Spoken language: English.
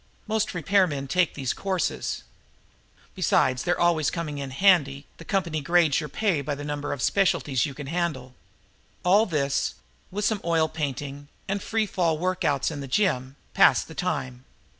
Most repairmen take these courses. Besides their always coming in handy, the company grades your pay by the number of specialties you can handle. All this, with some oil painting and free fall workouts in the gym, passed the time.